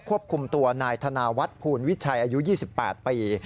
ควบคุมตัวนายธนาวัฒน์ภูลวิชัยอายุ๒๘ปี